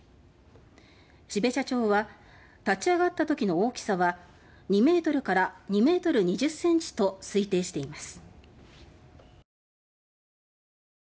標茶町は立ち上がったときの大きさは２ｍから２ｍ２０ｃｍと推定しています。